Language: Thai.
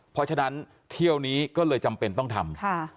เพราะฉะนั้นเที่ยวนี้ก็เลยจำเป็นต้องทำ